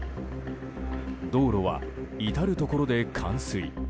道路は至るところで冠水。